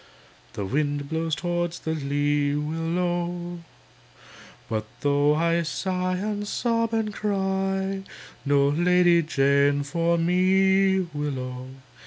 The wind blows towards the lee, Willow! But though I sigh and sob and cry, No Lady Jane for me, Willow!